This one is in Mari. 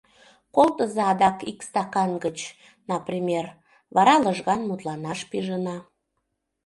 Колтыза адак ик стакан гыч, например, вара лыжган мутланаш пижына.